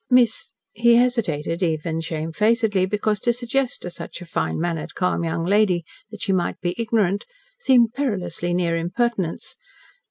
"Miss," he hesitated, even shamefacedly, because to suggest to such a fine mannered, calm young lady that she might be ignorant, seemed perilously near impertinence.